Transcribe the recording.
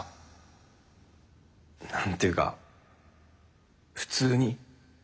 何ていうか普通に。